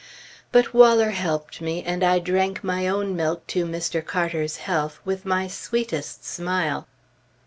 But Waller helped me, and I drank my own milk to Mr. Carter's health with my sweetest smile.